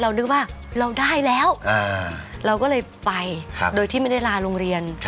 นึกว่าเราได้แล้วเราก็เลยไปโดยที่ไม่ได้ลาโรงเรียน